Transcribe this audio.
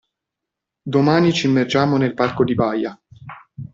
Domani ci immergiamo nel parco di Baia